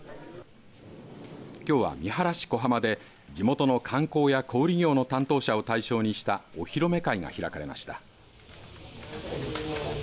きょうは三原市古浜で地元の観光や小売り業の担当者を対象にしたお披露目会が開かれました。